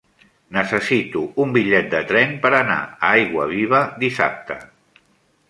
Necessito un bitllet de tren per anar a Aiguaviva dissabte.